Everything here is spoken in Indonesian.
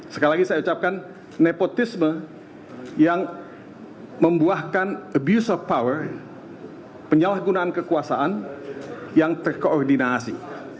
sekali lagi saya ucapkan nepotisme yang membuahkan abuse of power penyalahgunaan kekuasaan yang terkoordinasi